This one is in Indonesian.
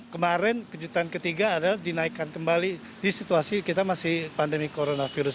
kemarin kejutan ketiga adalah dinaikkan kembali di situasi kita masih pandemi coronavirus